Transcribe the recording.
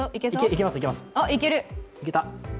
いけた！